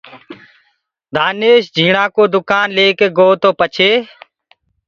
دآنيش جھيٚڻآ ڪو دُڪآن ليڪي گوو تو پڇي